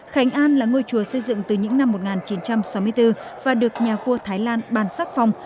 khánh an là ngôi chùa xây dựng từ những năm một nghìn chín trăm sáu mươi bốn và được nhà vua thái lan bàn sắc phong